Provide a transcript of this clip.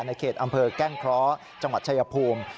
เขตอำเภอแก้งเคราะห์จังหวัดชายภูมิ